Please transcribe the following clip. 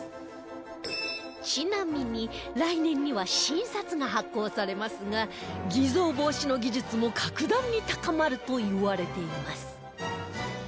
ちなみに来年には新札が発行されますが偽造防止の技術も格段に高まるといわれています